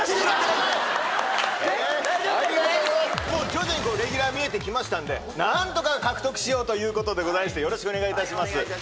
徐々にレギュラー見えてきましたんで何とか獲得しようということでよろしくお願いいたします。